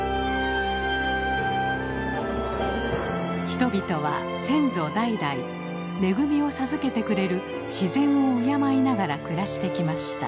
人々は先祖代々恵みを授けてくれる自然を敬いながら暮らしてきました。